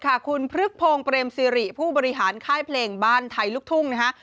คุณพฤกพงศ์เปรมสิริผู้บริหารค่ายเพลงบ้านไทยลูกทุ่งนะฮะ